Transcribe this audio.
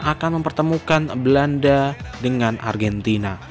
akan mempertemukan belanda dengan argentina